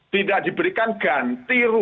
tidak diberikan ganti